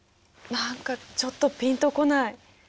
何かちょっとピンとこない。